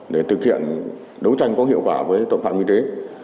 để thực hiện đấu tranh có hiệu quả với tội phạm y tế